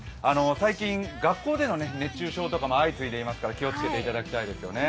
最近、学校での熱中症とかも相次いでいますから気をつけていただきたいですよね。